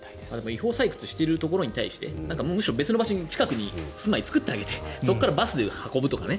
違法採掘しているところに対してむしろ別の場所に住まいを作ってあげてそこからバスで運ぶとかね。